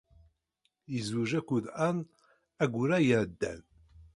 Yezweǧ akked Ann ayyur-a iɛeddan.